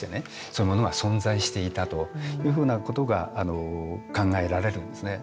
そういうものが存在していたというふうなことが考えられるんですね。